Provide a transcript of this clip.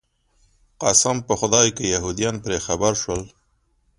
قسم په خدای که یهودان پرې خبر شول.